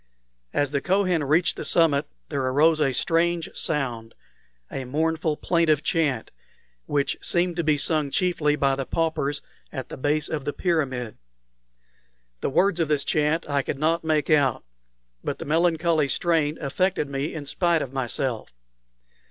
As the Kohen reached the summit there arose a strange sound a mournful, plaintive chant, which seemed to be sung chiefly by the paupers at the base of the pyramid. The words of this chant I could not make out, but the melancholy strain affected me in spite of myself.